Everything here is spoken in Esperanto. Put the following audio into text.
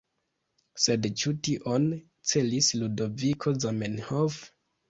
Sed ĉu tion celis Ludoviko Zamenhof?